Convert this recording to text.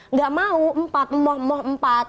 nggak mau empat moh mau empat